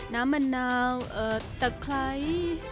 น้ำมะนาวเอ่อแต่ใคร